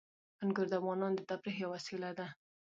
انګور د افغانانو د تفریح یوه وسیله ده.